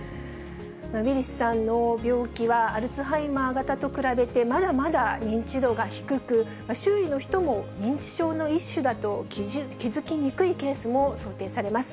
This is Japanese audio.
ウィリスさんの病気は、アルツハイマー型と比べて、まだまだ認知度が低く、周囲の人も認知症の一種だと気付きにくいケースも想定されます。